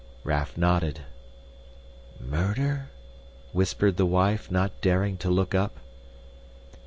Raff nodded. "MURDER?" whispered the wife, not daring to look up.